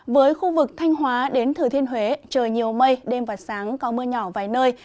với khu vực thanh hóa đến thừa thiên huế trời nhiều mây đêm và sáng có mưa nhỏ vài nơi